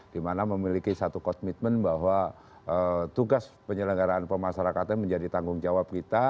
dimana memiliki satu komitmen bahwa tugas penyelenggaraan pemasarakatan menjadi tanggung jawab kita